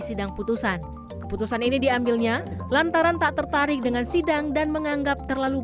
sidang putusan keputusan ini diambilnya lantaran tak tertarik dengan sidang dan menganggap terlalu